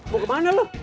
mau ke mana loh